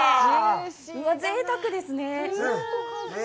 ぜいたくですね。